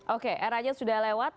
oke era nya sudah lewat